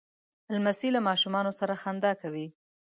لمسی له ماشومانو سره خندا کوي.